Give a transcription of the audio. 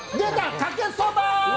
かけそば！